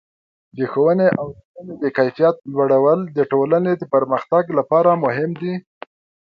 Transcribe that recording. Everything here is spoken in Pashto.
د ښوونې او روزنې د کیفیت لوړول د ټولنې د پرمختګ لپاره مهم دي.